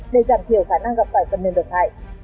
để giảm thiểu khả năng gặp phải phần mềm độc hại